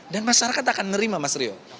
dan masyarakat akan menerima mas rio